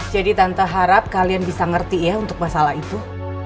jadi tante harap kalian bisa ngerti ya untuk masalah itu